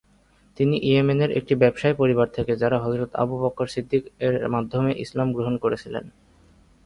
তিনি ইয়েমেনের একটি ব্যবসায়ী পরিবার থেকে যারা হযরত আবু বকর সিদ্দিক এর মাধ্যমে ইসলাম গ্রহণ করেছিলেন।